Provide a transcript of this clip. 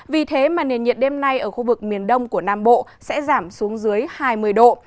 vì thế mà nền nhiệt đêm nay ở khu vực miền đông của nam bộ sẽ giảm xuống dưới hai mươi độ